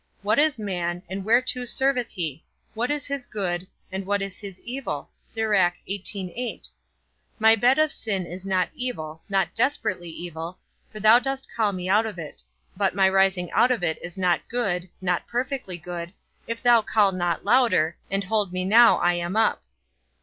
What is man, and whereto serveth he? What is his good and what is his evil? My bed of sin is not evil, not desperately evil, for thou dost call me out of it; but my rising out of it is not good (not perfectly good), if thou call not louder, and hold me now I am up.